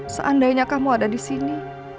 seandainya kamu ada disini